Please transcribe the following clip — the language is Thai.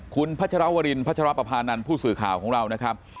คุณพัชรวรินพัชรปภานันทร์ผู้สื่อข่าวของเรานะครับ